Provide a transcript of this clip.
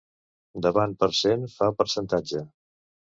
Davant per cent fa percentatge.